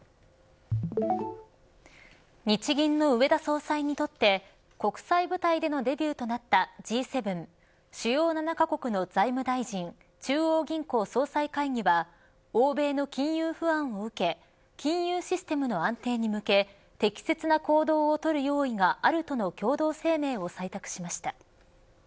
日銀の植田総裁にとって国際舞台でのデビューとなったＧ７主要７カ国の財務大臣中央銀行総裁会議は欧米の金融不安を受け金融システムの安定に向け適切な行動をとる用意があるとの共同声明を採択しました。